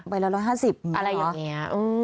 ไปแล้ว๑๕๐อะไรอย่างนี้